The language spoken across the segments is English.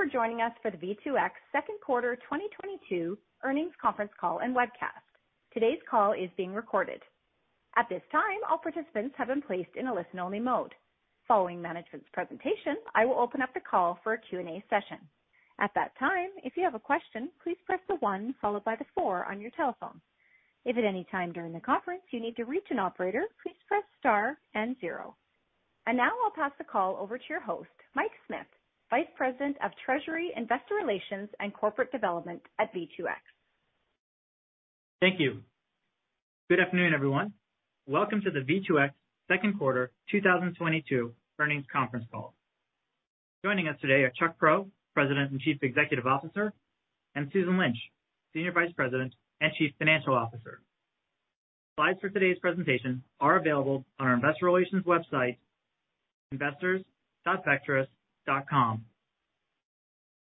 Thank you for joining us for the V2X second quarter 2022 earnings conference call and webcast. Today's call is being recorded. At this time, all participants have been placed in a listen-only mode. Following management's presentation, I will open up the call for a Q&A session. At that time, if you have a question, please press the one followed by the four on your telephone. If at any time during the conference you need to reach an operator, please press star and zero. Now I'll pass the call over to your host, Mike Smith, Vice President of Treasury, Investor Relations, and Corporate Development at V2X. Thank you. Good afternoon, everyone. Welcome to the V2X second quarter 2022 earnings conference call. Joining us today are Chuck Prow, President and Chief Executive Officer, and Susan Lynch, Senior Vice President and Chief Financial Officer. Slides for today's presentation are available on our investor relations website, investors.vectrus.com.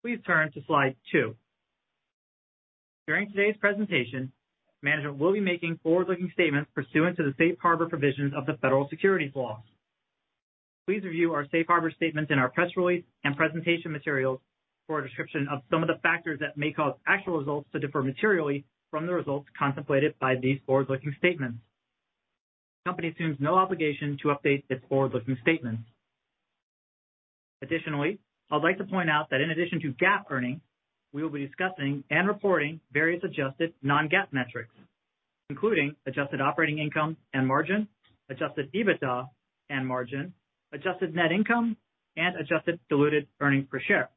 Please turn to Slide two. During today's presentation, management will be making forward-looking statements pursuant to the safe harbor provisions of the federal securities laws. Please review our safe harbor statements in our press release and presentation materials for a description of some of the factors that may cause actual results to differ materially from the results contemplated by these forward-looking statements. The company assumes no obligation to update its forward-looking statements. Additionally, I'd like to point out that in addition to GAAP earnings, we will be discussing and reporting various adjusted non-GAAP metrics, including adjusted operating income and margin, adjusted EBITDA and margin, adjusted net income, and adjusted diluted earnings per share.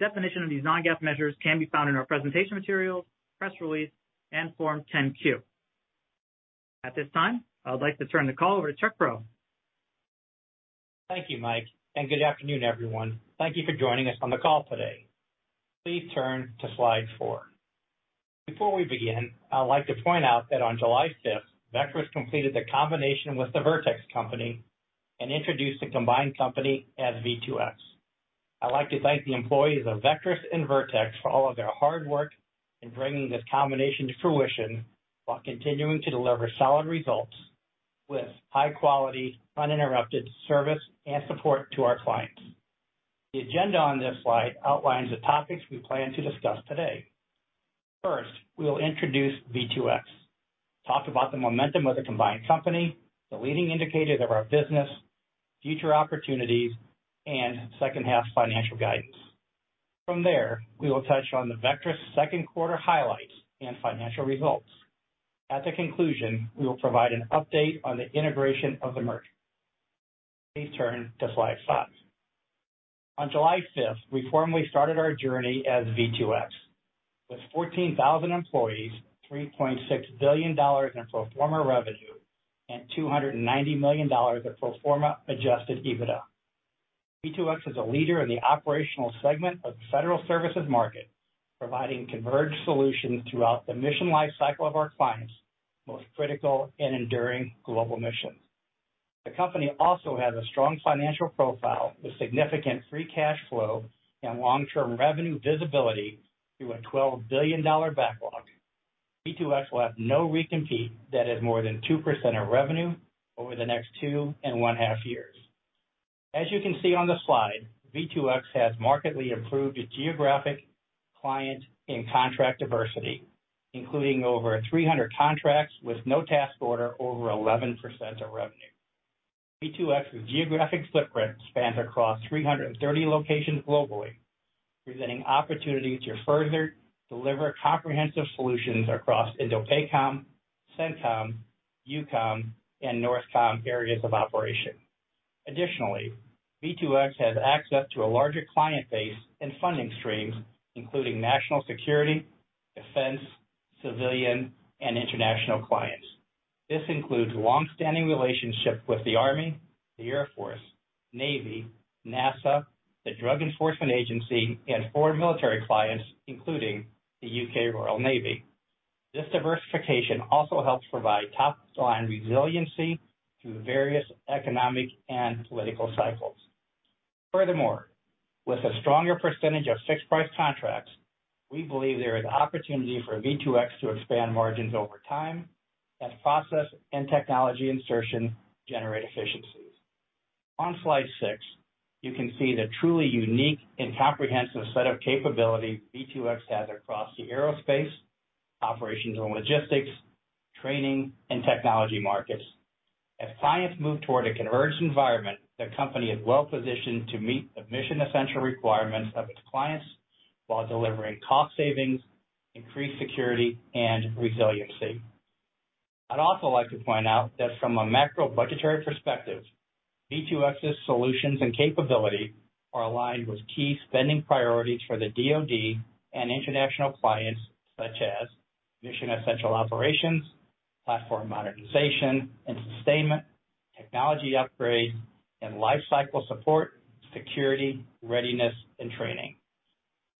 Definition of these non-GAAP measures can be found in our presentation materials, press release, and Form 10-Q. At this time, I would like to turn the call over to Chuck Prow. Thank you, Mike, and good afternoon, everyone. Thank you for joining us on the call today. Please turn to Slide four. Before we begin, I'd like to point out that on July 5th, Vectrus completed the combination with the Vertex Company and introduced the combined company as V2X. I'd like to thank the employees of Vectrus and Vertex for all of their hard work in bringing this combination to fruition while continuing to deliver solid results with high quality, uninterrupted service and support to our clients. The agenda on this slide outlines the topics we plan to discuss today. First, we will introduce V2X, talk about the momentum of the combined company, the leading indicators of our business, future opportunities, and second half financial guidance. From there, we will touch on the Vectrus second quarter highlights and financial results. As a conclusion, we will provide an update on the integration of the merger. Please turn to Slide five. On July 5th, we formally started our journey as V2X. With 14,000 employees, $3.6 billion in pro forma revenue, and $290 million of pro forma adjusted EBITDA. V2X is a leader in the operational segment of the federal services market, providing converged solutions throughout the mission lifecycle of our clients' most critical and enduring global missions. The company also has a strong financial profile with significant free cash flow and long-term revenue visibility through a $12 billion backlog. V2X will have no recompete that is more than 2% of revenue over the next 2.5 years. As you can see on the slide, V2X has markedly improved its geographic client and contract diversity, including over 300 contracts with no task order over 11% of revenue. V2X's geographic footprint spans across 330 locations globally, presenting opportunities to further deliver comprehensive solutions across INDOPACOM, CENTCOM, EUCOM, and NORTHCOM areas of operation. Additionally, V2X has access to a larger client base and funding streams, including national security, defense, civilian, and international clients. This includes longstanding relationships with the Army, the Air Force, Navy, NASA, the Drug Enforcement Administration, and foreign military clients, including the U.K. Royal Navy. This diversification also helps provide top-line resiliency through various economic and political cycles. Furthermore, with a stronger percentage of fixed-price contracts, we believe there is opportunity for V2X to expand margins over time as process and technology insertion generate efficiencies. On slide six, you can see the truly unique and comprehensive set of capabilities V2X has across the aerospace, operations and logistics, training, and technology markets. As clients move toward a converged environment, the company is well-positioned to meet the mission essential requirements of its clients while delivering cost savings, increased security, and resiliency. I'd also like to point out that from a macro budgetary perspective, V2X's solutions and capabilities are aligned with key spending priorities for the DoD and international clients such as mission essential operations, platform modernization and sustainment, technology upgrades, and lifecycle support, security, readiness, and training.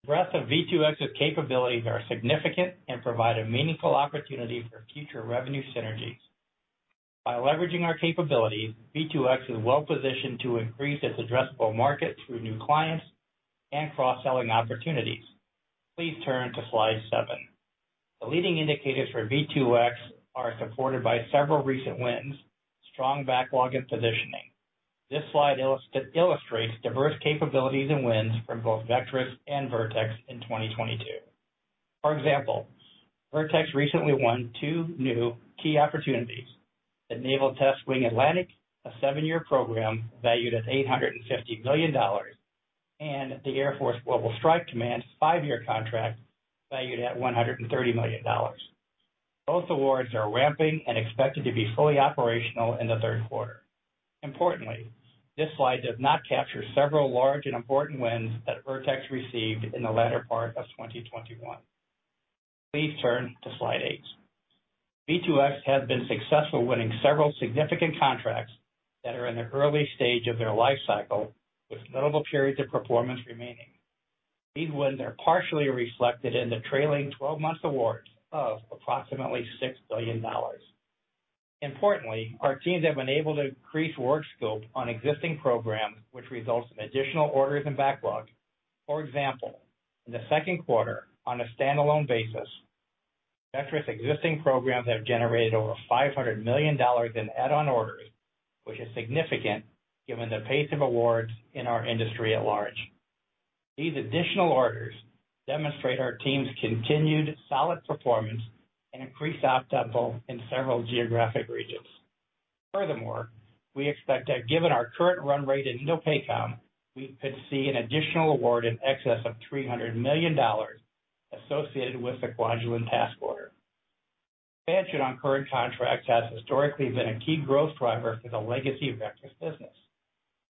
The breadth of V2X's capabilities are significant and provide a meaningful opportunity for future revenue synergies. By leveraging our capabilities, V2X is well-positioned to increase its addressable market through new client and cross-selling opportunities. Please turn to slide seven. The leading indicators for V2X are supported by several recent wins, strong backlog, and positioning. This slide illustrates diverse capabilities and wins from both Vectrus and Vertex in 2022. For example, Vertex recently won two new key opportunities, the Naval Test Wing Atlantic, a seven-year program valued at $850 million, and the Air Force Global Strike Command's five-year contract valued at $130 million. Both awards are ramping and expected to be fully operational in the third quarter. Importantly, this slide does not capture several large and important wins that Vertex received in the latter part of 2021. Please turn to Slide eight. V2X has been successful winning several significant contracts that are in the early stage of their life cycle with notable periods of performance remaining. These wins are partially reflected in the trailing twelve months awards of approximately $6 billion. Importantly, our teams have been able to increase work scope on existing programs, which results in additional orders and backlog. For example, in the second quarter, on a standalone basis, Vectrus existing programs have generated over $500 million in add-on orders, which is significant given the pace of awards in our industry at large. These additional orders demonstrate our team's continued solid performance and increased op tempo in several geographic regions. Furthermore, we expect that given our current run rate in INDOPACOM, we could see an additional award in excess of $300 million associated with the Quadrant task order. Expansion on current contracts has historically been a key growth driver for the legacy of Vectrus business.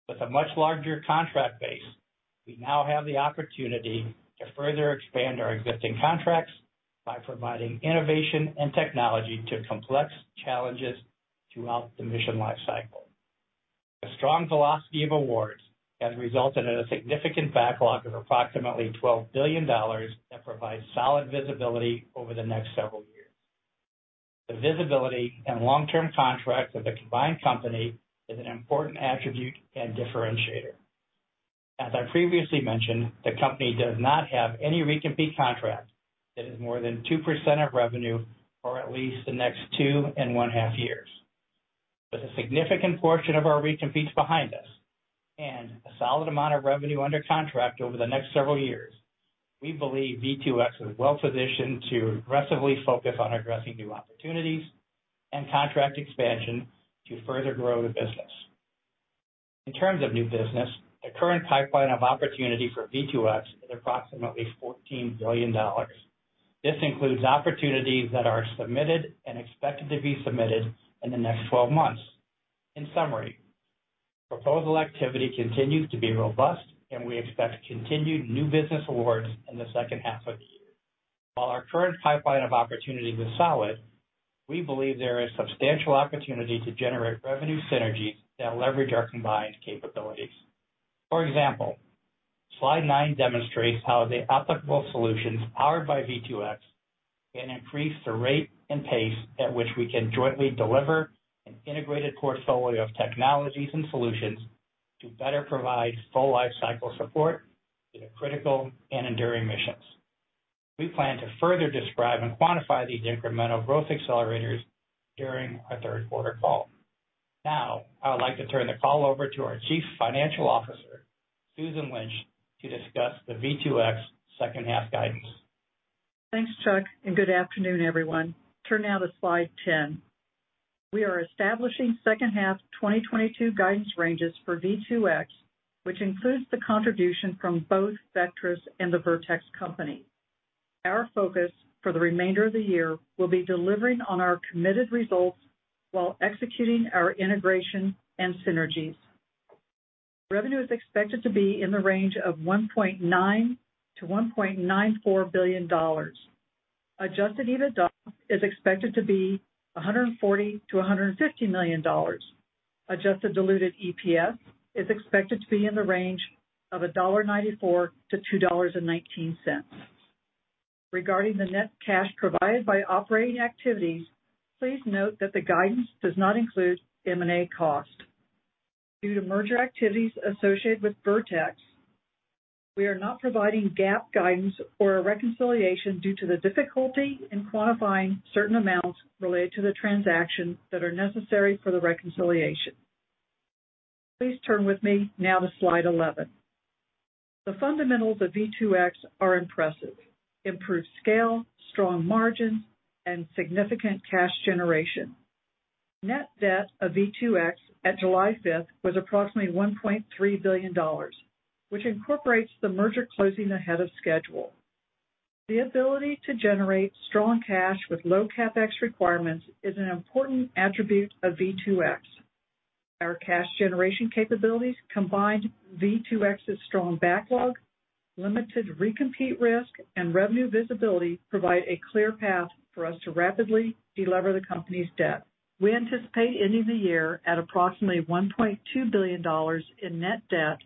With a much larger contract base, we now have the opportunity to further expand our existing contracts by providing innovation and technology to complex challenges throughout the mission lifecycle. The strong velocity of awards has resulted in a significant backlog of approximately $12 billion that provides solid visibility over the next several years. The visibility and long-term contracts of the combined company is an important attribute and differentiator. As I previously mentioned, the company does not have any recompete contract that is more than 2% of revenue for at least the next 2.5 years. With a significant portion of our recompetes behind us and a solid amount of revenue under contract over the next several years, we believe V2X is well-positioned to aggressively focus on addressing new opportunities and contract expansion to further grow the business. In terms of new business, the current pipeline of opportunity for V2X is approximately $14 billion. This includes opportunities that are submitted and expected to be submitted in the next 12 months. In summary, proposal activity continues to be robust and we expect continued new business awards in the second half of the year. While our current pipeline of opportunities is solid, we believe there is substantial opportunity to generate revenue synergies that leverage our combined capabilities. For example, Slide nine demonstrates how the applicable solutions powered by V2X can increase the rate and pace at which we can jointly deliver an integrated portfolio of technologies and solutions to better provide full lifecycle support to the critical and enduring missions. We plan to further describe and quantify these incremental growth accelerators during our third quarter call. Now, I would like to turn the call over to our Chief Financial Officer, Susan Lynch, to discuss the V2X second half guidance. Thanks, Chuck, and good afternoon, everyone. Turn now to Slide 10. We are establishing second half 2022 guidance ranges for V2X, which includes the contribution from both Vectrus and the Vertex Company. Our focus for the remainder of the year will be delivering on our committed results while executing our integration and synergies. Revenue is expected to be in the range of $1.9 billion-$1.94 billion. Adjusted EBITDA is expected to be $140 million-$150 million. Adjusted diluted EPS is expected to be in the range of $1.94-$2.19. Regarding the net cash provided by operating activities, please note that the guidance does not include M&A costs. Due to merger activities associated with Vertex, we are not providing GAAP guidance or a reconciliation due to the difficulty in quantifying certain amounts related to the transaction that are necessary for the reconciliation. Please turn with me now to Slide 11. The fundamentals of V2X are impressive. Improved scale, strong margins, and significant cash generation. Net debt of V2X at July 5th was approximately $1.3 billion, which incorporates the merger closing ahead of schedule. The ability to generate strong cash with low CapEx requirements is an important attribute of V2X. Our cash generation capabilities, combined V2X's strong backlog, limited recompete risk, and revenue visibility provide a clear path for us to rapidly de-lever the company's debt. We anticipate ending the year at approximately $1.2 billion in net debt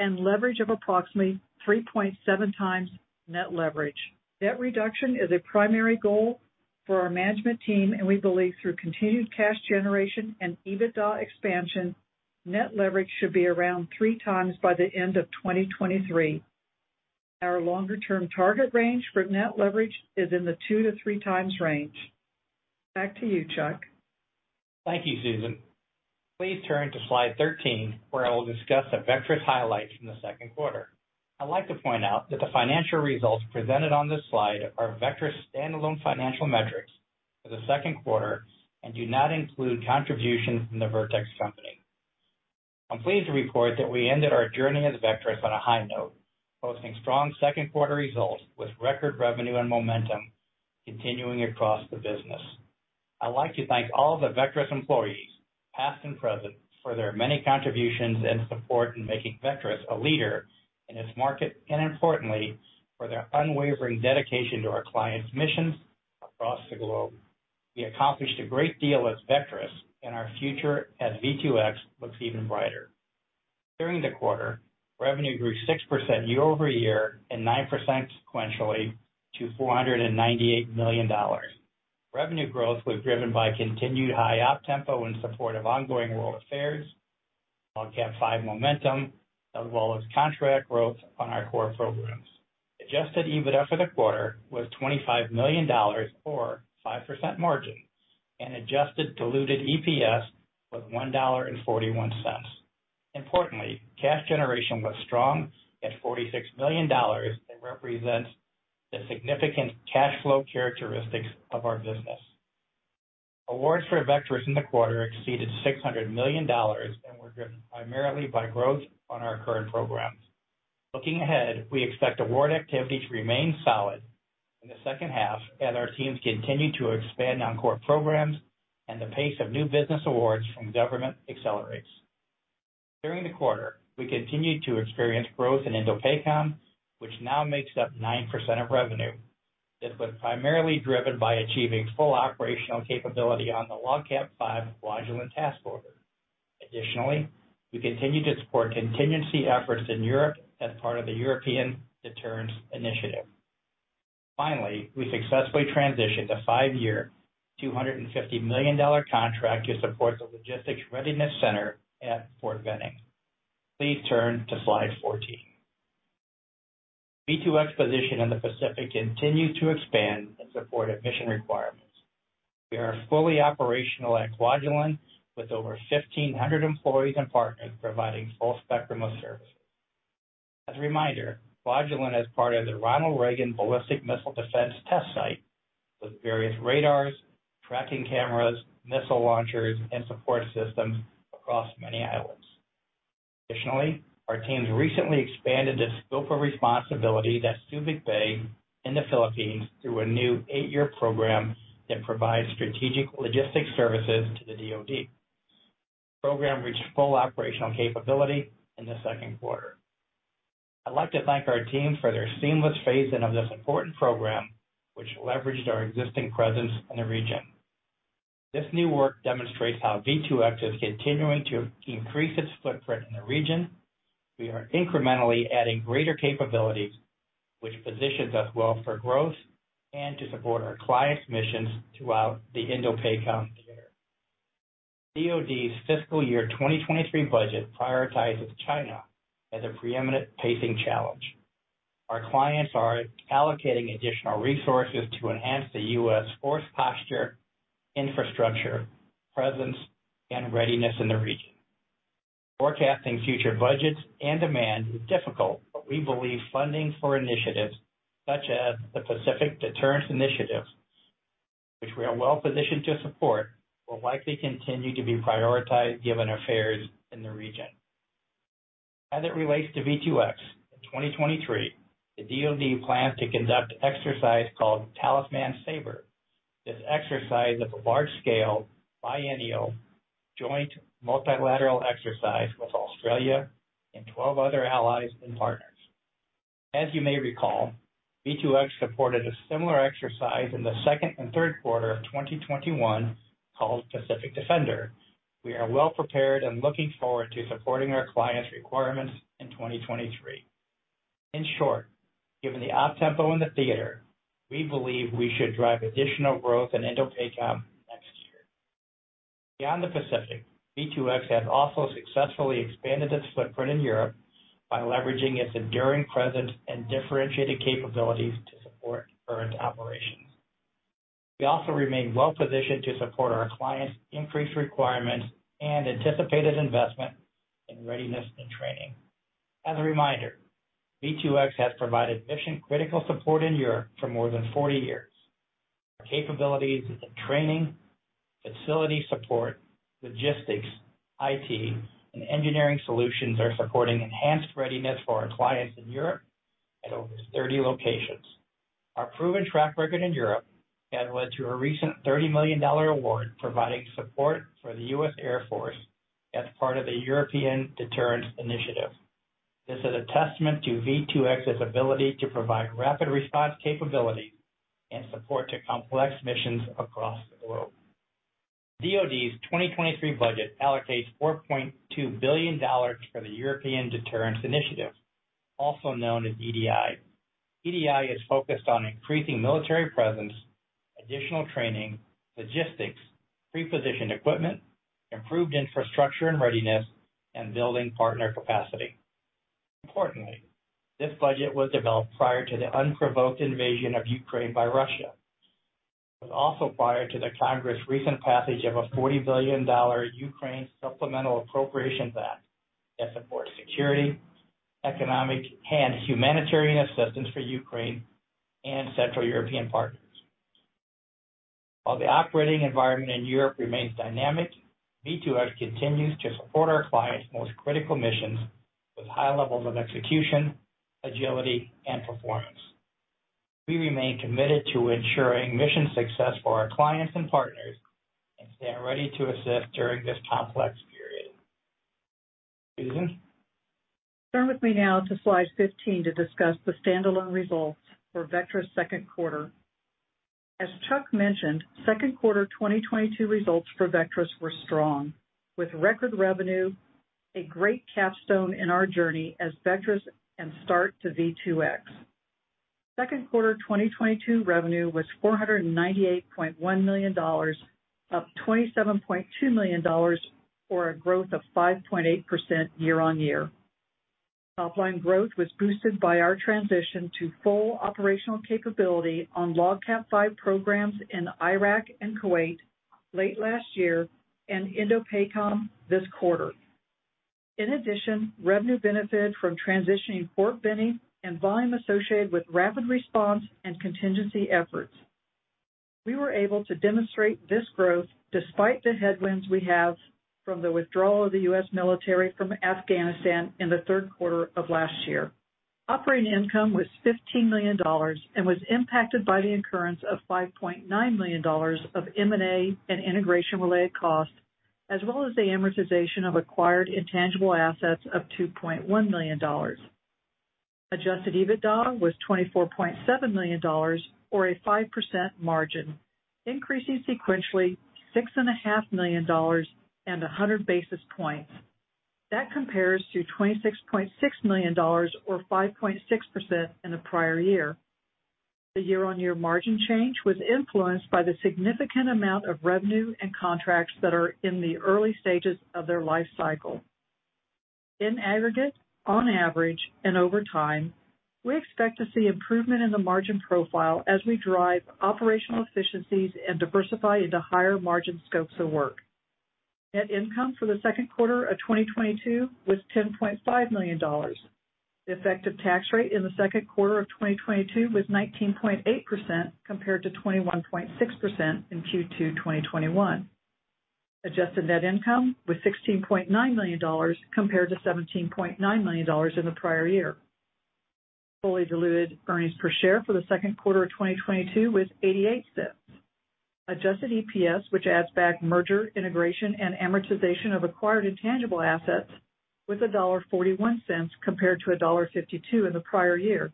and leverage of approximately 3.7x net leverage. Debt reduction is a primary goal for our management team, and we believe through continued cash generation and EBITDA expansion, net leverage should be around 3x by the end of 2023. Our longer-term target range for net leverage is in the 2x-3x range. Back to you, Chuck. Thank you, Susan. Please turn to Slide 13, where I will discuss the Vectrus highlights from the second quarter. I'd like to point out that the financial results presented on this slide are Vectrus standalone financial metrics for the second quarter and do not include contributions from the Vertex Company. I'm pleased to report that we ended our journey as Vectrus on a high note, posting strong second quarter results with record revenue and momentum continuing across the business. I'd like to thank all the Vectrus employees, past and present, for their many contributions and support in making Vectrus a leader in its market, and importantly, for their unwavering dedication to our clients' missions across the globe. We accomplished a great deal as Vectrus, and our future as V2X looks even brighter. During the quarter, revenue grew 6% year-over-year and 9% sequentially to $498 million. Revenue growth was driven by continued high op tempo in support of ongoing world affairs, LOGCAP V momentum, as well as contract growth on our core programs. Adjusted EBITDA for the quarter was $25 million or 5% margin, and adjusted diluted EPS was $1.41. Importantly, cash generation was strong at $46 million and represents the significant cash flow characteristics of our business. Awards for Vectrus in the quarter exceeded $600 million and were driven primarily by growth on our current programs. Looking ahead, we expect award activity to remain solid in the second half as our teams continue to expand on core programs and the pace of new business awards from government accelerates. During the quarter, we continued to experience growth in INDOPACOM, which now makes up 9% of revenue. This was primarily driven by achieving full operational capability on the LOGCAP V Kwajalein task order. Additionally, we continued to support contingency efforts in Europe as part of the European Deterrence Initiative. Finally, we successfully transitioned a five-year, $250 million contract to support the Logistics Readiness Center at Fort Benning. Please turn to Slide 14. V2X position in the Pacific continued to expand in support of mission requirements. We are fully operational at Kwajalein with over 1,500 employees and partners providing full spectrum of services. As a reminder, Kwajalein is part of the Ronald Reagan Ballistic Missile Defense Test Site, with various radars, tracking cameras, missile launchers, and support systems across many islands. Additionally, our teams recently expanded the scope of responsibility at Subic Bay in the Philippines through a new eight-year program that provides strategic logistics services to the DoD. The program reached full operational capability in the second quarter. I'd like to thank our team for their seamless phase-in of this important program, which leveraged our existing presence in the region. This new work demonstrates how V2X is continuing to increase its footprint in the region. We are incrementally adding greater capabilities, which positions us well for growth and to support our clients' missions throughout the INDOPACOM theater. DoD's fiscal year 2023 budget prioritizes China as a preeminent pacing challenge. Our clients are allocating additional resources to enhance the U.S. force posture, infrastructure, presence, and readiness in the region. Forecasting future budgets and demand is difficult, but we believe funding for initiatives such as the Pacific Deterrence Initiative, which we are well-positioned to support, will likely continue to be prioritized given affairs in the region. As it relates to V2X, in 2023, the DoD plans to conduct exercise called Talisman Sabre. This exercise is a large-scale, biennial, joint multilateral exercise with Australia and 12 other allies and partners. As you may recall, V2X supported a similar exercise in the second and third quarter of 2021 called Pacific Defender. We are well-prepared and looking forward to supporting our clients' requirements in 2023. In short, given the op tempo in the theater, we believe we should drive additional growth in INDOPACOM next year. Beyond the Pacific, V2X has also successfully expanded its footprint in Europe by leveraging its enduring presence and differentiated capabilities to support current operations. We also remain well-positioned to support our clients' increased requirements and anticipated investment in readiness and training. As a reminder, V2X has provided mission-critical support in Europe for more than forty years. Our capabilities in training, facility support, logistics, IT, and engineering solutions are supporting enhanced readiness for our clients in Europe at over thirty locations. Our proven track record in Europe has led to a recent $30 million award providing support for the U.S. Air Force as part of the European Deterrence Initiative. This is a testament to V2X's ability to provide rapid response capability and support to complex missions across the globe. DoD's 2023 budget allocates $4.2 billion for the European Deterrence Initiative, also known as EDI. EDI is focused on increasing military presence, additional training, logistics, pre-positioned equipment, improved infrastructure and readiness, and building partner capacity. Importantly, this budget was developed prior to the unprovoked invasion of Ukraine by Russia. It was also prior to the Congress' recent passage of a $40 billion Ukraine Supplemental Appropriations Act that supports security, economic, and humanitarian assistance for Ukraine and Central European partners. While the operating environment in Europe remains dynamic, V2X continues to support our clients' most critical missions with high levels of execution, agility, and performance. We remain committed to ensuring mission success for our clients and partners, and stand ready to assist during this complex period. Susan? Turn with me now to slide 15 to discuss the standalone results for Vectrus' second quarter. As Chuck mentioned, second quarter 2022 results for Vectrus were strong, with record revenue, a great capstone in our journey as Vectrus, and start to V2X. Second quarter 2022 revenue was $498.1 million, up $27.2 million, or a growth of 5.8% year-on-year. Top-line growth was boosted by our transition to full operational capability on LOGCAP V programs in Iraq and Kuwait late last year and INDOPACOM this quarter. In addition, revenue benefited from transitioning Fort Benning and volume associated with rapid response and contingency efforts. We were able to demonstrate this growth despite the headwinds we have from the withdrawal of the U.S. military from Afghanistan in the third quarter of last year. Operating income was $15 million and was impacted by the incurrence of $5.9 million of M&A and integration-related costs, as well as the amortization of acquired intangible assets of $2.1 million. Adjusted EBITDA was $24.7 million, or a 5% margin, increasing sequentially $6.5 million and 100 basis points. That compares to $26.6 million or 5.6% in the prior year. The year-on-year margin change was influenced by the significant amount of revenue and contracts that are in the early stages of their life cycle. In aggregate, on average and over time, we expect to see improvement in the margin profile as we drive operational efficiencies and diversify into higher margin scopes of work. Net income for the second quarter of 2022 was $10.5 million. The effective tax rate in the second quarter of 2022 was 19.8% compared to 21.6% in Q2 2021. Adjusted net income was $16.9 million compared to $17.9 million in the prior year. Fully diluted earnings per share for the second quarter of 2022 was $0.88. Adjusted EPS, which adds back merger, integration, and amortization of acquired intangible assets, was $1.41 compared to $1.52 in the prior year.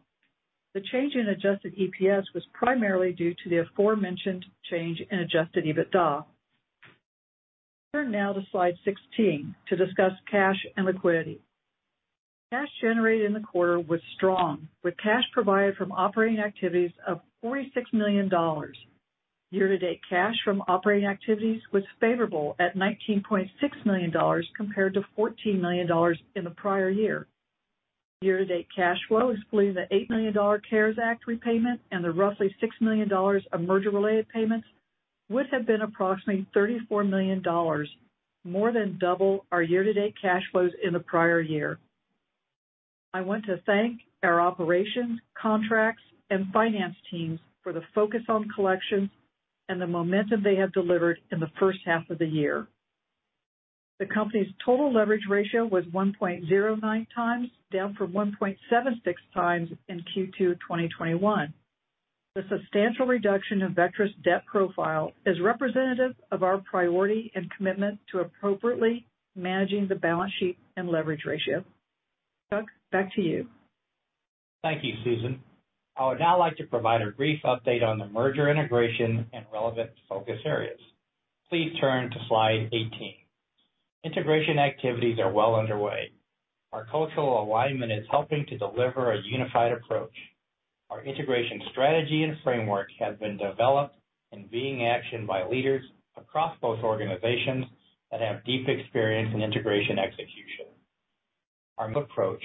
The change in adjusted EPS was primarily due to the aforementioned change in adjusted EBITDA. Turn now to Slide 16 to discuss cash and liquidity. Cash generated in the quarter was strong, with cash provided from operating activities of $46 million. Year-to-date cash from operating activities was favorable at $19.6 million compared to $14 million in the prior year. Year-to-date cash flow, excluding the $8 million CARES Act repayment and the roughly $6 million of merger-related payments, would have been approximately $34 million, more than double our year-to-date cash flows in the prior year. I want to thank our operations, contracts, and finance teams for the focus on collections and the momentum they have delivered in the first half of the year. The company's total leverage ratio was 1.09x, down from 1.76x in Q2 2021. The substantial reduction of Vectrus' debt profile is representative of our priority and commitment to appropriately managing the balance sheet and leverage ratio. Chuck, back to you. Thank you, Susan. I would now like to provide a brief update on the merger integration and relevant focus areas. Please turn to Slide 18. Integration activities are well underway. Our cultural alignment is helping to deliver a unified approach. Our integration strategy and framework have been developed and being actioned by leaders across both organizations that have deep experience in integration execution. Our approach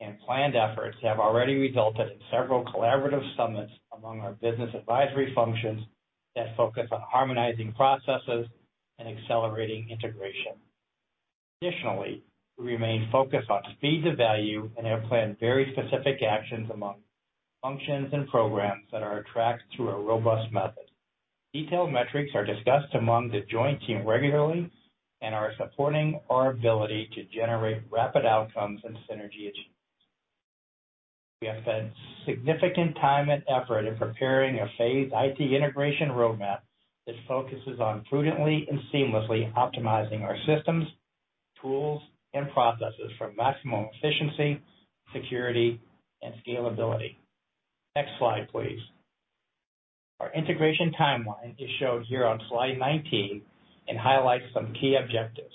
and planned efforts have already resulted in several collaborative summits among our business advisory functions that focus on harmonizing processes and accelerating integration. Additionally, we remain focused on speed to value and have planned very specific actions among functions and programs that are tracked through a robust method. Detailed metrics are discussed among the joint team regularly and are supporting our ability to generate rapid outcomes and synergy achievements. We have spent significant time and effort in preparing a phased IT integration roadmap that focuses on prudently and seamlessly optimizing our systems, tools, and processes for maximum efficiency, security, and scalability. Next slide, please. Our integration timeline is shown here on Slide 19 and highlights some key objectives.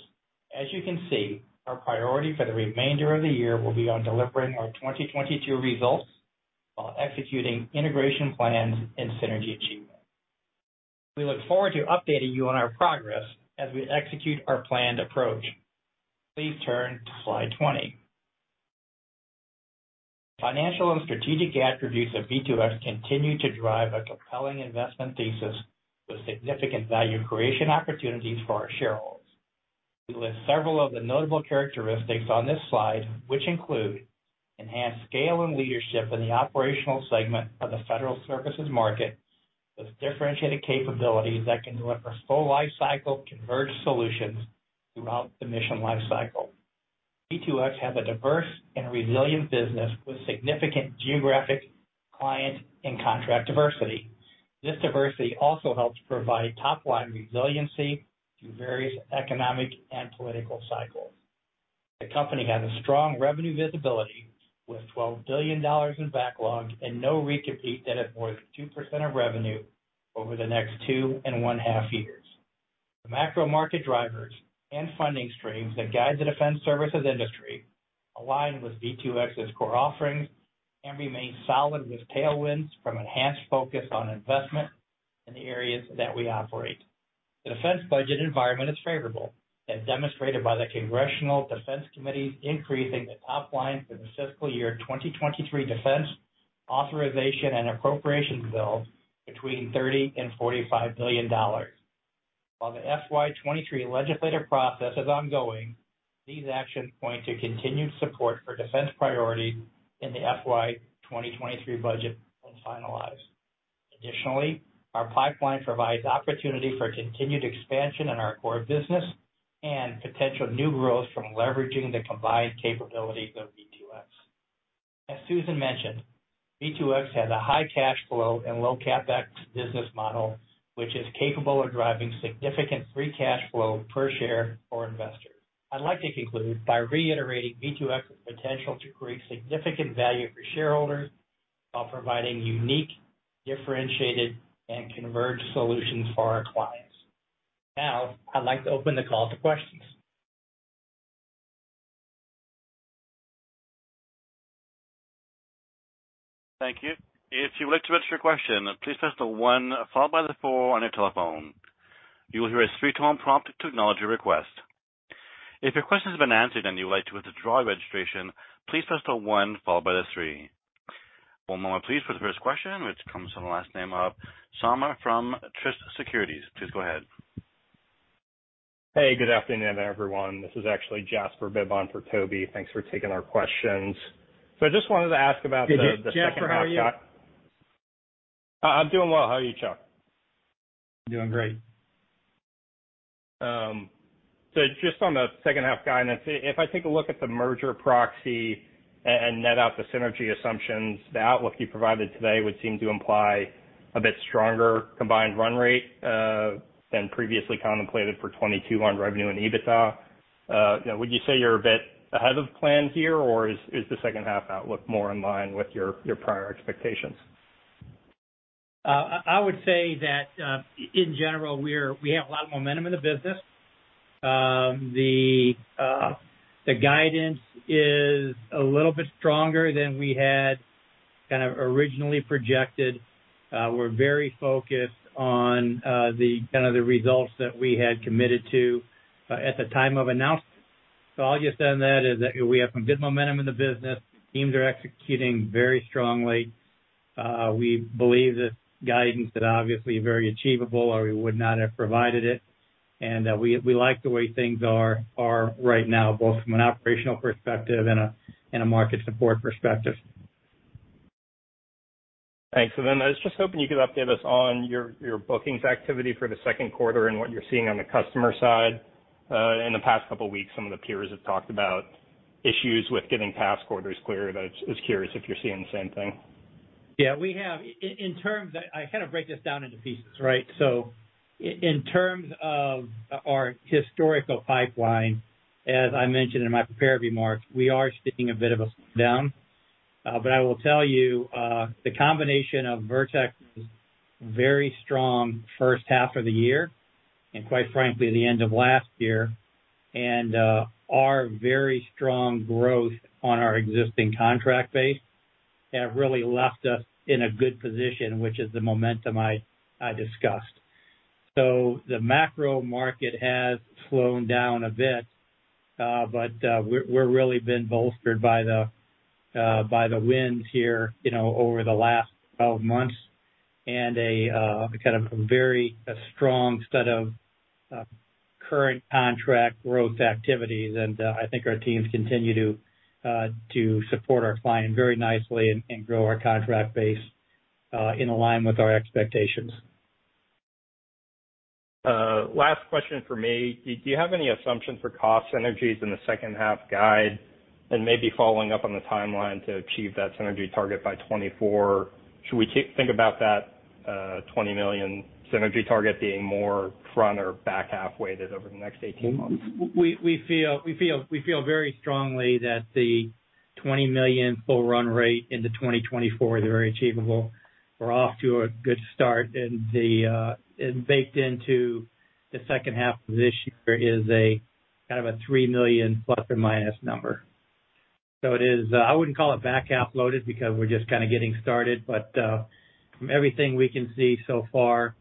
As you can see, our priority for the remainder of the year will be on delivering our 2022 results while executing integration plans and synergy achievement. We look forward to updating you on our progress as we execute our planned approach. Please turn to slide 20. Financial and strategic attributes of V2X continue to drive a compelling investment thesis with significant value creation opportunities for our shareholders. We list several of the notable characteristics on this slide, which include enhanced scale and leadership in the operational segment of the federal services market, with differentiated capabilities that can deliver full life cycle converged solutions throughout the mission life cycle. V2X has a diverse and resilient business with significant geographic client and contract diversity. This diversity also helps provide top line resiliency through various economic and political cycles. The company has a strong revenue visibility with $12 billion in backlog and no recompete that have more than 2% of revenue over the next 2.5 years. The macro market drivers and funding streams that guide the defense services industry align with V2X's core offerings and remain solid, with tailwinds from enhanced focus on investment in the areas that we operate. The defense budget environment is favorable, as demonstrated by the Congressional Defense Committees increasing the top line for the fiscal year 2023 defense authorization and appropriations bills between $30 billion and $45 billion. While the FY 2023 legislative process is ongoing, these actions point to continued support for defense priorities in the FY 2023 budget when finalized. Additionally, our pipeline provides opportunity for continued expansion in our core business and potential new growth from leveraging the combined capabilities of V2X. As Susan mentioned, V2X has a high cash flow and low CapEx business model, which is capable of driving significant free cash flow per share for investors. I'd like to conclude by reiterating V2X's potential to create significant value for shareholders while providing unique, differentiated, and converged solutions for our clients. Now, I'd like to open the call to questions. Thank you. If you would like to ask your question, please press the one followed by the four on your telephone. You will hear a three-tone prompt to acknowledge your request. If your question has been answered and you would like to withdraw your registration, please press the one followed by the three. One moment please for the first question, which comes from the last name of Sommer from Truist Securities. Please go ahead. Hey, good afternoon, everyone. This is actually Jasper Bibb for Tobey. Thanks for taking our questions. I just wanted to ask about the- Hey, Jasper, how are you? I'm doing well. How are you, Chuck? Doing great. Just on the second-half guidance, if I take a look at the merger proxy and net out the synergy assumptions, the outlook you provided today would seem to imply a bit stronger combined run rate than previously contemplated for 2022 on revenue and EBITDA. Would you say you're a bit ahead of plan here, or is the second half outlook more in line with your prior expectations? I would say that, in general, we have a lot of momentum in the business. The guidance is a little bit stronger than we had kind of originally projected. We're very focused on the kind of results that we had committed to at the time of announcement. I'll just say on that is that we have some good momentum in the business. Teams are executing very strongly. We believe this guidance is obviously very achievable or we would not have provided it. We like the way things are right now, both from an operational perspective and a market support perspective. Thanks. Then I was just hoping you could update us on your bookings activity for the second quarter and what you're seeing on the customer side. In the past couple weeks, some of the peers have talked about issues with getting past quarters clear. Just curious if you're seeing the same thing. Yeah, we have. In terms of, I kind of break this down into pieces, right? In terms of our historical pipeline, as I mentioned in my prepared remarks, we are seeing a bit of a slowdown. But I will tell you, the combination of Vertex's very strong first half of the year and quite frankly, the end of last year, and our very strong growth on our existing contract base have really left us in a good position, which is the momentum I discussed. The macro market has slowed down a bit, but we're really been bolstered by the wins here, you know, over the last 12 months and a kind of a very strong set of current contract growth activities. I think our teams continue to support our clients very nicely and grow our contract base in line with our expectations. Last question from me. Do you have any assumptions for cost synergies in the second-half guide? Maybe following up on the timeline to achieve that synergy target by 2024, should we think about that? $20 million synergy target being more front or back half weighted over the next 18 months. We feel very strongly that the $20 million full run rate into 2024 is very achievable. We're off to a good start and baked into the second half of this year is a kind of a $3 million ± number. It is, I wouldn't call it back half loaded because we're just kinda getting started. From everything we can see so far,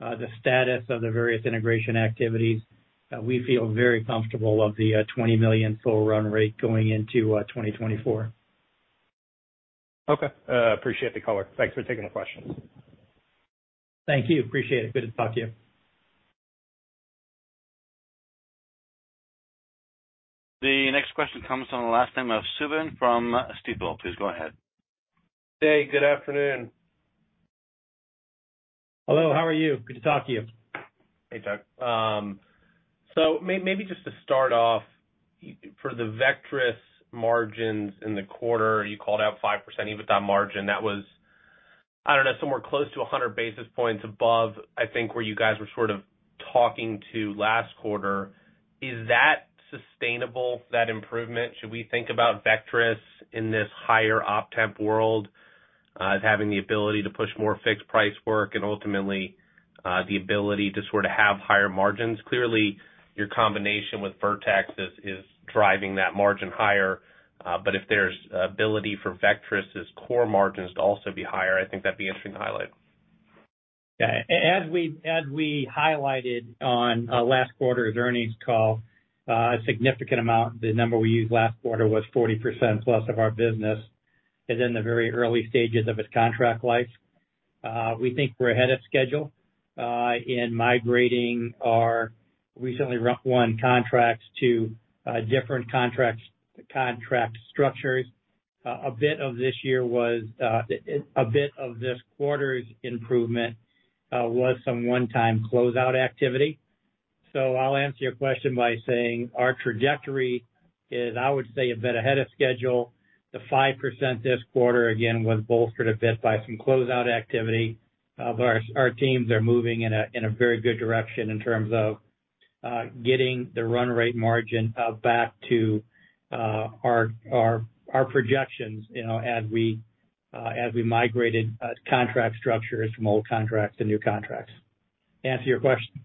the status of the various integration activities, we feel very comfortable of the $20 million full run rate going into 2024. Okay. Appreciate the color. Thanks for taking the questions. Thank you. Appreciate it. Good to talk to you. The next question comes from the last name of Subin from Stifel. Please go ahead. Hey, good afternoon. Hello, how are you? Good to talk to you. Hey, Chuck. Maybe just to start off, for the Vectrus margins in the quarter, you called out 5% EBITDA margin. That was, I don't know, somewhere close to 100 basis points above, I think, where you guys were sort of talking about last quarter. Is that sustainable, that improvement? Should we think about Vectrus in this higher op tempo world as having the ability to push more fixed price work and ultimately the ability to sort of have higher margins? Clearly, your combination with Vertex is driving that margin higher. If there's ability for Vectrus's core margins to also be higher, I think that'd be interesting to highlight. Yeah. As we highlighted on last quarter's earnings call, a significant amount, the number we used last quarter was 40% plus of our business is in the very early stages of its contract life. We think we're ahead of schedule in migrating our recently won contracts to different contracts, contract structures. A bit of this quarter's improvement was some one-time closeout activity. I'll answer your question by saying our trajectory is, I would say, a bit ahead of schedule. The 5% this quarter, again, was bolstered a bit by some closeout activity. Our teams are moving in a very good direction in terms of getting the run rate margin back to our projections, you know, as we migrated contract structures from old contracts to new contracts. Answer your question?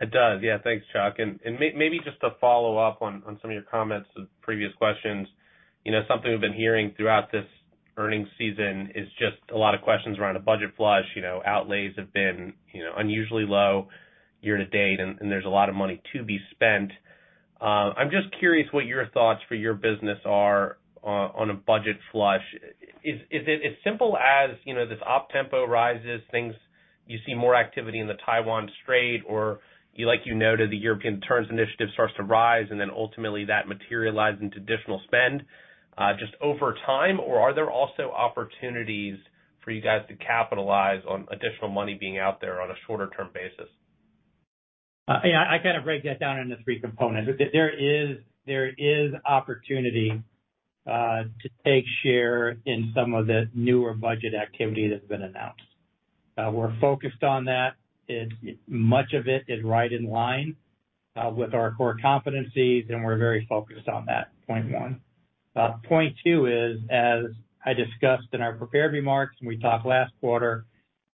It does. Yeah. Thanks, Chuck. Maybe just to follow up on some of your comments to the previous questions. You know, something we've been hearing throughout this earnings season is just a lot of questions around a budget flush. You know, outlays have been, you know, unusually low year to date, and there's a lot of money to be spent. I'm just curious what your thoughts for your business are on a budget flush. Is it as simple as, you know, this op tempo rises, you see more activity in the Taiwan Strait, or like you noted, the European Deterrence Initiative starts to rise, and then ultimately that materialize into additional spend just over time? Or are there also opportunities for you guys to capitalize on additional money being out there on a shorter term basis? Yeah, I kind of break that down into three components. There is opportunity to take share in some of the newer budget activity that's been announced. We're focused on that, and much of it is right in line with our core competencies, and we're very focused on that, point one. Point two is, as I discussed in our prepared remarks, and we talked last quarter,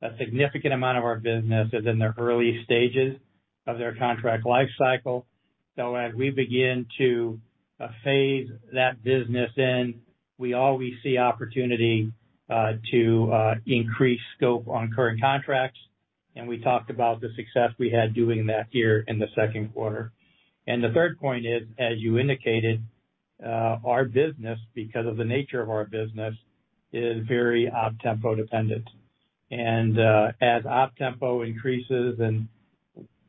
a significant amount of our business is in the early stages of their contract life cycle. As we begin to phase that business in, we always see opportunity to increase scope on current contracts. We talked about the success we had doing that here in the second quarter. The third point is, as you indicated, our business, because of the nature of our business, is very op tempo dependent. As op tempo increases in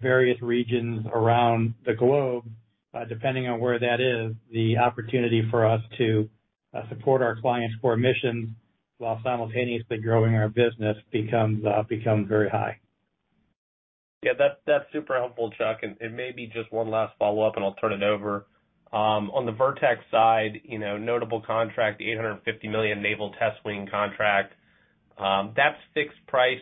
various regions around the globe, depending on where that is, the opportunity for us to support our clients' core missions while simultaneously growing our business becomes very high. Yeah. That's super helpful, Chuck. Maybe just one last follow-up, and I'll turn it over. On the Vertex side, you know, notable contract, the $850 million Naval Test Wing contract, that's fixed price.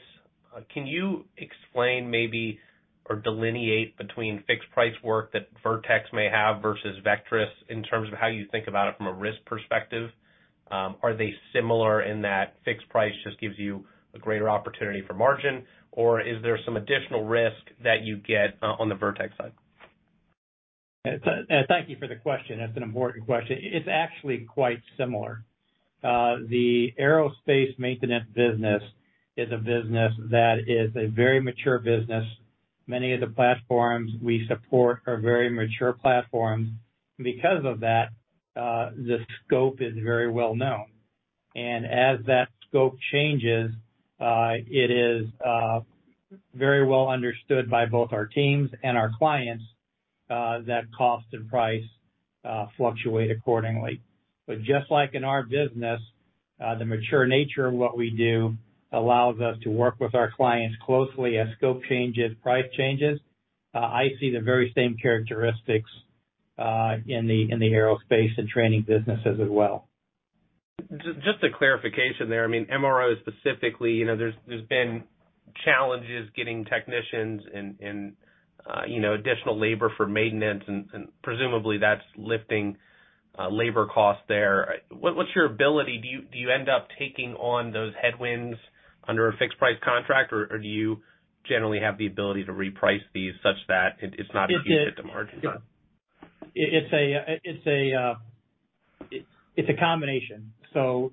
Can you explain maybe or delineate between fixed price work that Vertex may have versus Vectrus in terms of how you think about it from a risk perspective? Are they similar in that fixed price just gives you a greater opportunity for margin, or is there some additional risk that you get on the Vertex side? Thank you for the question. That's an important question. It's actually quite similar. The aerospace maintenance business is a business that is a very mature business. Many of the platforms we support are very mature platforms. Because of that, the scope is very well known. As that scope changes, it is very well understood by both our teams and our clients that cost and price fluctuate accordingly. Just like in our business, the mature nature of what we do allows us to work with our clients closely. As scope changes, price changes. I see the very same characteristics in the aerospace and training businesses as well. Just a clarification there. I mean, MRO specifically, you know, there's been challenges getting technicians and you know, additional labor for maintenance and presumably that's lifting labor costs there. What's your ability? Do you end up taking on those headwinds under a fixed price contract, or do you generally have the ability to reprice these such that it's not a huge hit to margin? It's a combination.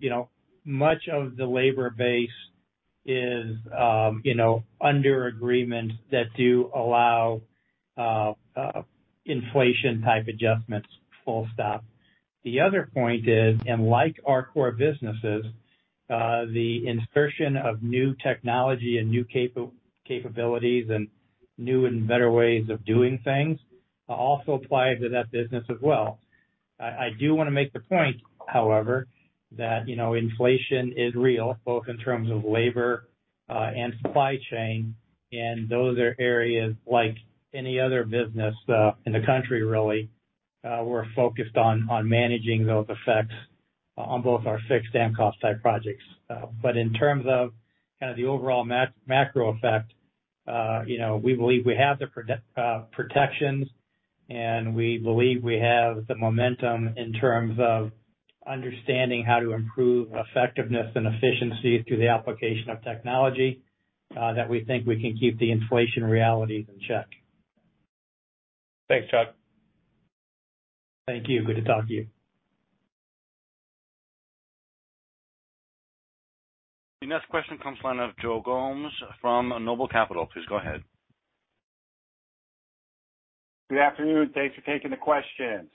You know, much of the labor base is, you know, under agreements that do allow inflation type adjustments, full stop. The other point is, like our core businesses, the insertion of new technology and new capabilities and new and better ways of doing things also apply to that business as well. I do wanna make the point, however, that, you know, inflation is real, both in terms of labor, and supply chain, and those are areas like any other business, in the country really, we're focused on managing those effects, on both our fixed and cost type projects. In terms of kind of the overall macro effect, you know, we believe we have the protections, and we believe we have the momentum in terms of understanding how to improve effectiveness and efficiency through the application of technology that we think we can keep the inflation realities in check. Thanks, Chuck. Thank you. Good to talk to you. The next question comes from the line of Joe Gomes from Noble Capital. Please go ahead. Good afternoon. Thanks for taking the questions.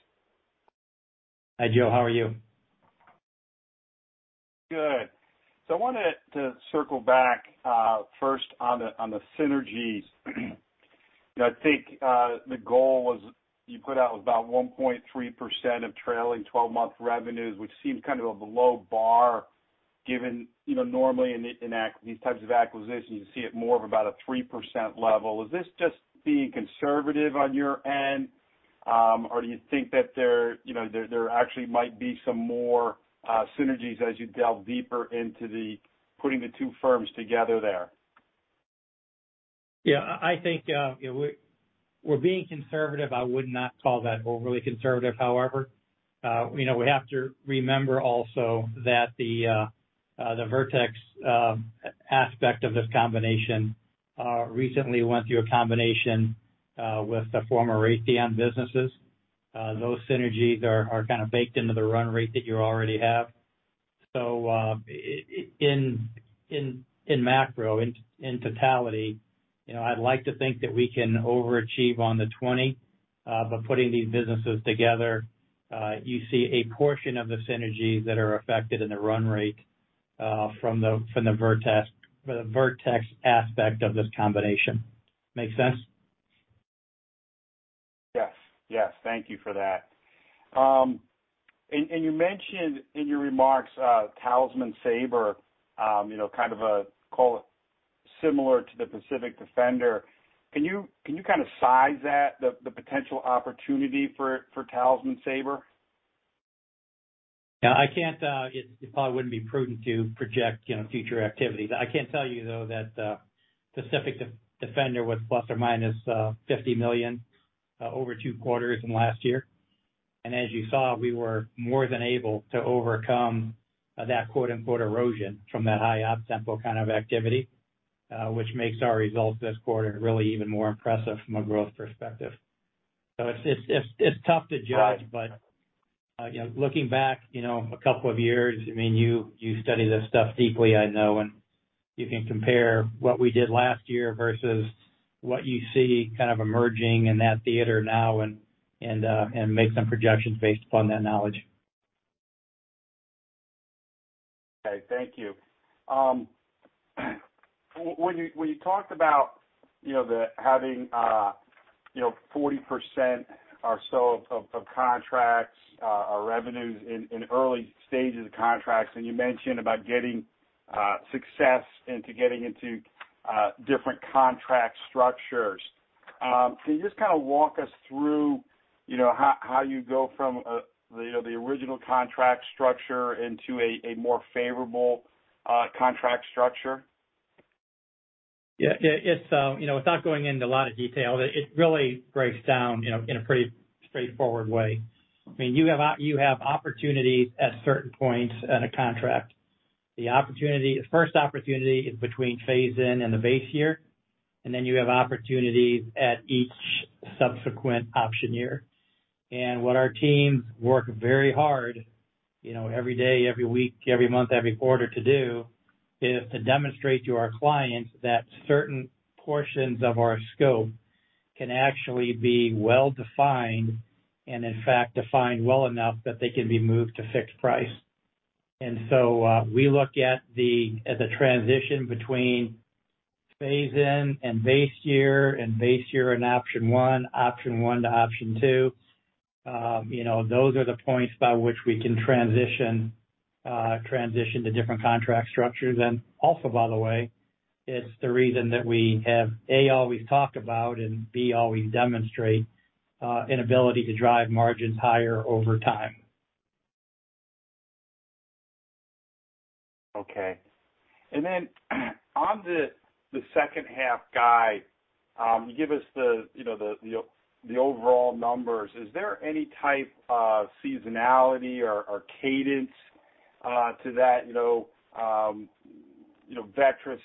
Hi, Joe. How are you? Good. I wanted to circle back first on the synergies. You know, I think the goal was you put out about 1.3% of trailing 12-month revenues, which seems kind of a low bar given, you know, normally in these types of acquisitions, you see it more of about a 3% level. Is this just being conservative on your end? Or do you think that there, you know, there actually might be some more synergies as you delve deeper into putting the two firms together there? Yeah, I think we're being conservative. I would not call that overly conservative, however. You know, we have to remember also that the Vertex aspect of this combination recently went through a combination with the former Raytheon businesses. Those synergies are kind of baked into the run rate that you already have. In macro, in totality, you know, I'd like to think that we can overachieve on the 20 by putting these businesses together. You see a portion of the synergies that are affected in the run rate from the Vertex aspect of this combination. Make sense? Yes. Thank you for that. You mentioned in your remarks Talisman Sabre, you know, kind of a call similar to the Pacific Defender. Can you kind of size that, the potential opportunity for Talisman Sabre? Yeah, I can't it probably wouldn't be prudent to project, you know, future activities. I can tell you, though, that Pacific Defender was plus or minus $50 million over two quarters in last year. As you saw, we were more than able to overcome that quote-unquote erosion from that high OPTEMPO kind of activity, which makes our results this quarter really even more impressive from a growth perspective. It's tough to judge. You know, looking back, you know, a couple of years, I mean, you study this stuff deeply, I know, and you can compare what we did last year versus what you see kind of emerging in that theater now and make some projections based upon that knowledge. Okay. Thank you. When you talked about, you know, having 40% or so of contracts or revenues in early stages of contracts, and you mentioned about getting success in getting into different contract structures. Can you just kinda walk us through, you know, how you go from the original contract structure into a more favorable contract structure? Yeah, it's, you know, without going into a lot of detail, it really breaks down, you know, in a pretty straightforward way. I mean, you have opportunities at certain points in a contract. The opportunity, the first opportunity is between phase in and the base year, and then you have opportunities at each subsequent option year. What our teams work very hard, you know, every day, every week, every month, every quarter to do is to demonstrate to our clients that certain portions of our scope can actually be well-defined and, in fact, defined well enough that they can be moved to fixed price. We look at the transition between phase in and base year and base year and option one, option one to option two. You know, those are the points by which we can transition to different contract structures. Also, by the way, it's the reason that we have, A, always talked about, and B, always demonstrate an ability to drive margins higher over time. Okay. Then on the second half guide, you give us the, you know, the overall numbers. Is there any type of seasonality or cadence to that? You know, Vectrus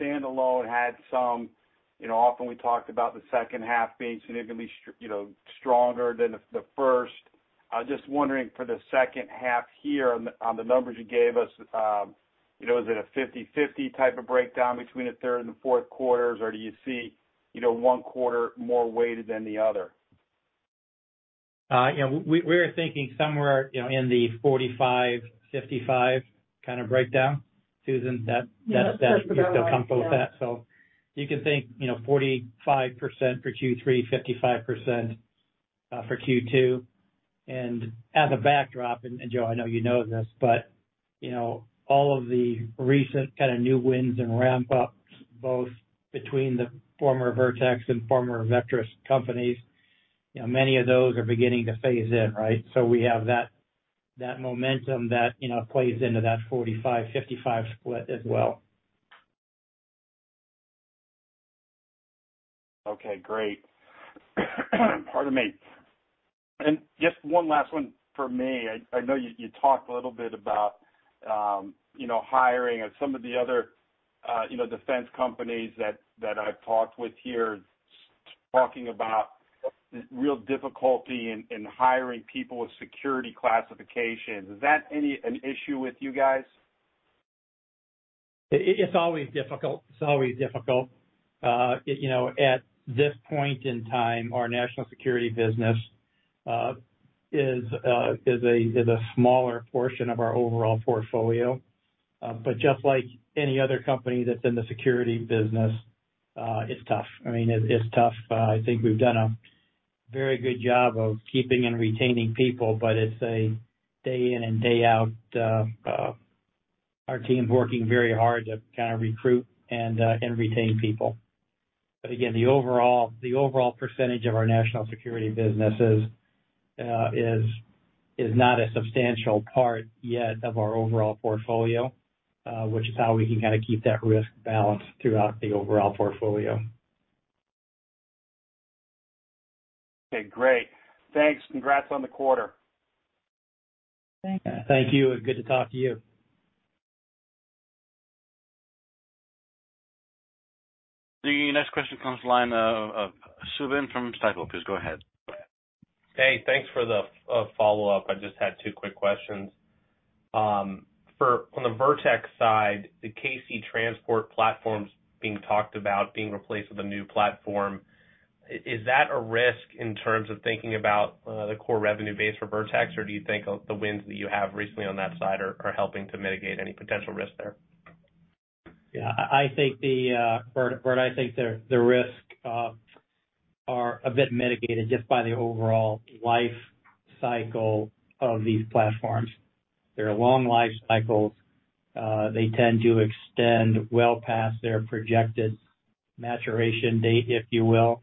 standalone had some. You know, often we talked about the second half being significantly stronger than the first. I was just wondering for the second half here on the numbers you gave us, you know, is it a 50/50 type of breakdown between the third and the fourth quarters, or do you see, you know, one quarter more weighted than the other? You know, we're thinking somewhere, you know, in the 45/55 kind of breakdown. Susan, is that- Yes. You're still comfortable with that? Yeah. You can think, you know, 45% for Q3, 55% for Q2. As a backdrop, and Joe, I know you know this, but, you know, all of the recent kind of new wins and ramp ups, both between the former Vertex and former Vectrus companies, you know, many of those are beginning to phase in, right? We have that momentum that, you know, plays into that 45/55 split as well. Okay, great. Pardon me. Just one last one from me. I know you talked a little bit about, you know, hiring. Some of the other, you know, defense companies that I've talked with here, talking about real difficulty in hiring people with security classifications. Is that an issue with you guys? It's always difficult. You know, at this point in time, our national security business is a smaller portion of our overall portfolio. But just like any other company that's in the security business, it's tough. I mean, it's tough. I think we've done a very good job of keeping and retaining people, but it's a day in and day out, our team's working very hard to kind of recruit and retain people. But again, the overall percentage of our national security businesses is not a substantial part yet of our overall portfolio, which is how we can kinda keep that risk balanced throughout the overall portfolio. Okay, great. Thanks. Congrats on the quarter. Thank you. Thank you. Thank you. Good to talk to you. The next question comes line of Subin from Stifel. Please go ahead. Hey, thanks for the follow-up. I just had two quick questions. For on the Vertex side, the KC transport platforms being talked about being replaced with a new platform. Is that a risk in terms of thinking about the core revenue base for Vertex, or do you think the wins that you have recently on that side are helping to mitigate any potential risk there? Yeah. I think the risk are a bit mitigated just by the overall life cycle of these platforms. They're long life cycles. They tend to extend well past their projected maturation date, if you will.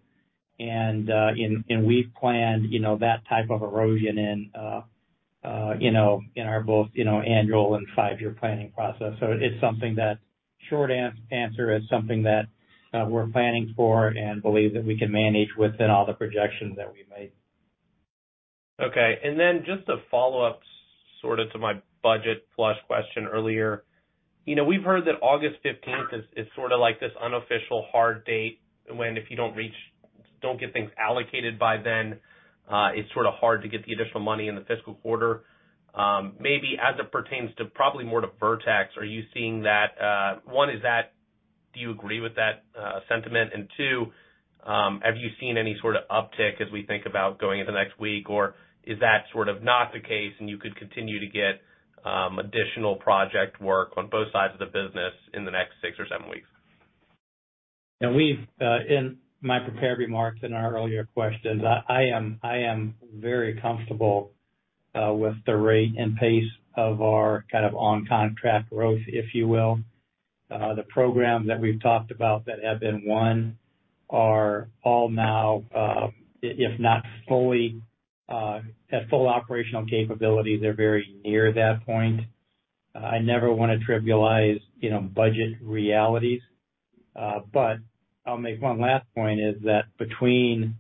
We've planned, you know, that type of erosion in, you know, in our both annual and five-year planning process. The short answer is something that we're planning for and believe that we can manage within all the projections that we've made. Okay. Then just a follow-up sorta to my budget flush question earlier. You know, we've heard that August fifteenth is sorta like this unofficial hard date when if you don't get things allocated by then, it's sorta hard to get the additional money in the fiscal quarter. Maybe as it pertains to probably more to Vertex, are you seeing that, one, is that do you agree with that, sentiment? And two, have you seen any sorta uptick as we think about going into next week, or is that sort of not the case and you could continue to get additional project work on both sides of the business in the next six or seven weeks? You know, we've in my prepared remarks in our earlier questions, I am very comfortable with the rate and pace of our kind of on-contract growth, if you will. The programs that we've talked about that have been won are all now, if not fully, at full operational capability, they're very near that point. I never wanna trivialize, you know, budget realities. I'll make one last point is that between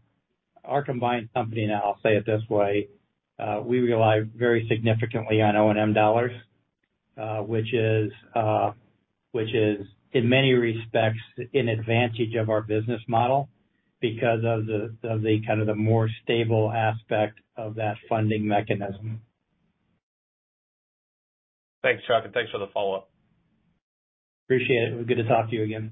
our combined company now, I'll say it this way, we rely very significantly on O&M dollars, which is in many respects an advantage of our business model because of the kind of the more stable aspect of that funding mechanism. Thanks, Chuck, and thanks for the follow-up. Appreciate it. It was good to talk to you again.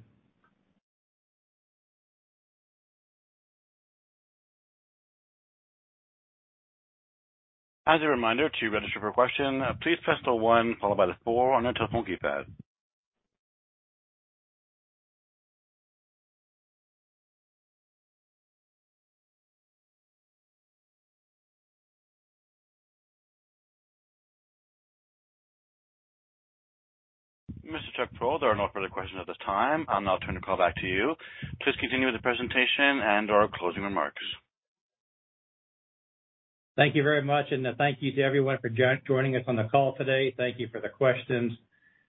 As a reminder, to register for a question, please press star one followed by the four on your telephone keypad. Mr. Chuck Prow, there are no further questions at this time. I'll now turn the call back to you. Please continue with the presentation and/or closing remarks. Thank you very much, and thank you to everyone for joining us on the call today. Thank you for the questions.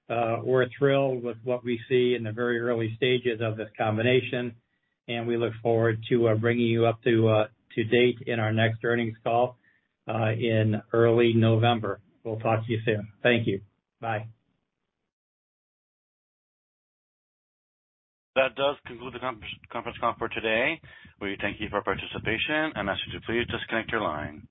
We're thrilled with what we see in the very early stages of this combination, and we look forward to bringing you up to date in our next earnings call in early November. We'll talk to you soon. Thank you. Bye. That does conclude the conference call for today. We thank you for participation and ask you to please disconnect your line.